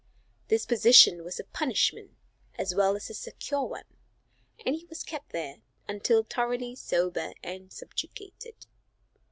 This position was a punishment as well as a secure one, and he was kept there until thoroughly sober and subjugated.